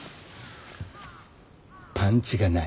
パンチがない。